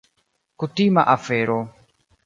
Kutima afero.